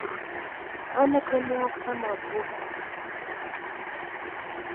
Аныклыме оксамат уло.